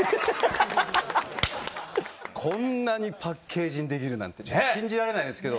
こんなにパッケージにできるなんて信じられないですけど。